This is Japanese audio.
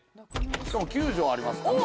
しかも９帖ありますから。